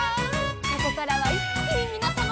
「ここからはいっきにみなさまを」